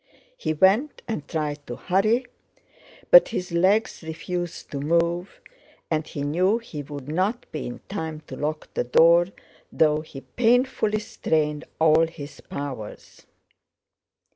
He went, and tried to hurry, but his legs refused to move and he knew he would not be in time to lock the door though he painfully strained all his powers.